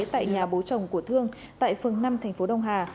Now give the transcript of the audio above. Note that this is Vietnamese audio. tại nhà bố chồng của thương tại phường năm thành phố đông hà